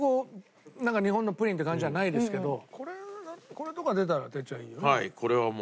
これとか出たら哲ちゃんいいよね。